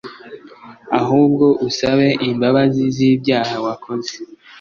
ahubwo usabe imbabazi z'ibyaha wakoze